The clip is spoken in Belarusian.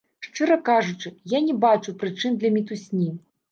Шчыра кажучы, я не бачу прычын для мітусні.